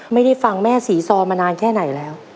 ไม่ได้ฟังแม่ศรีซอนมานานแค่ไหนแล้ว